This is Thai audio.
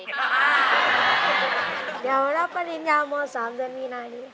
เดี๋ยวรับปริญญาม๓เดือนมีนานี้